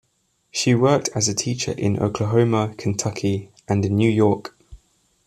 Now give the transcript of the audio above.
She worked as a teacher in Oklahoma, Kentucky, and in New York.